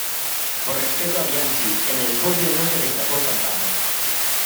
Por respeto a Bianchi, en el podio no se destapó champaña.